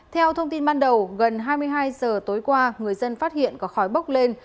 theo thông tin ban đầu gần hai mươi hai giờ tối qua người dân phát hiện có khói bốc lên